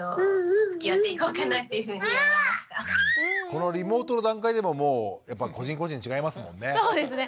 このリモートの段階でももうやっぱ個人個人違いますもんね。